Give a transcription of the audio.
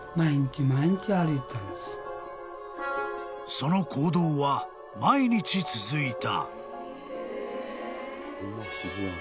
［その行動は毎日続いた］